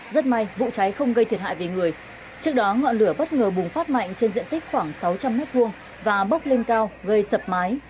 rất may vụ cháy không gây thiệt hại về người trước đó ngọn lửa bất ngờ bùng phát mạnh trên diện tích khoảng sáu trăm linh m hai và bốc lên cao gây sập mái